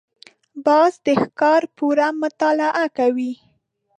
باز د ښکار پوره مطالعه کوي